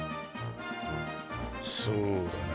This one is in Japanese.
そうだな。